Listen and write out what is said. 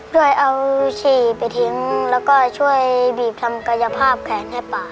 ด้วยเอาฉี่ไปทิ้งแล้วก็ช่วยบีบทำกายภาพแขนให้ป่า